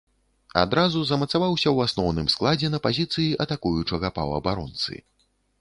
Адразу замацаваўся ў асноўным складзе на пазіцыі атакуючага паўабаронцы.